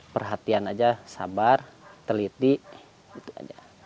perhatian aja sabar teliti itu aja